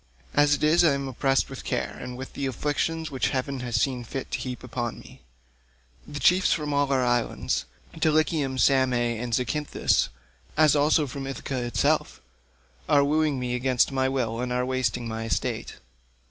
As it is, I am oppressed with care, and with the afflictions which heaven has seen fit to heap upon me. The chiefs from all our islands—Dulichium, Same, and Zacynthus, as also from Ithaca itself, are wooing me against my will and are wasting my estate.